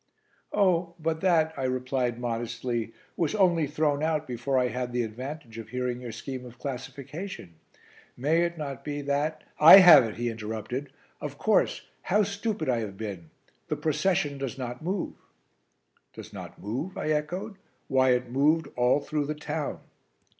"Oh, but that," I replied modestly, "was only thrown out before I had the advantage of hearing your scheme of classification. May it not be that " "I have it," he interrupted. "Of course, how stupid I have been! The procession does not move." "Does not move!" I echoed. "Why, it moved all through the town."